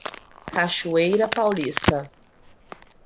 Cachoeira Paulista